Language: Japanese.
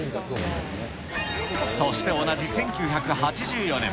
そして同じ１９８４年。